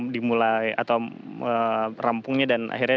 dimulai atau rampungnya dan akhirnya